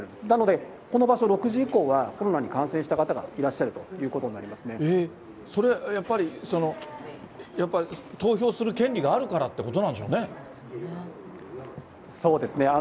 なので、この場所、６時以降はコロナに感染した方がいらっしゃるそれ、やっぱり、やっぱり投票する権利があるからということなんでしょうね。